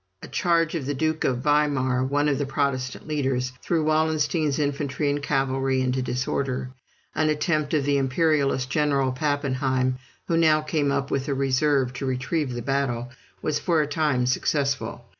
A charge of the Duke of Weimar, one of the Protestant leaders, threw Wallenstein's infantry and cavalry into disorder. An attempt of the Imperialist General Pappenheim, who now came up with a reserve to retrieve the battle, was for a time successful.